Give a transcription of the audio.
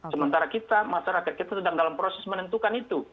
sementara kita masyarakat kita sedang dalam proses menentukan itu